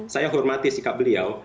saya hormati sikap beliau